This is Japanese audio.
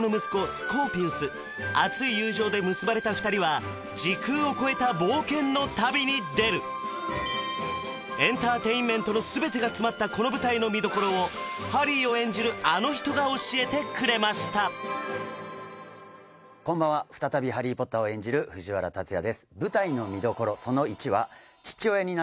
スコーピウスあつい友情で結ばれた２人は時空を超えた冒険の旅に出るエンターテインメントの全てが詰まったこの舞台の見どころをハリーを演じるあの人が教えてくれましたこんばんは再びハリー・ポッターを演じる藤原竜也です